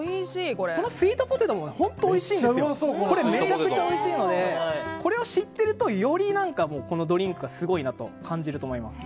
このスイートポテトもめちゃめちゃおいしいのでこれを知っているとよりこのドリンクがすごいなと感じると思います。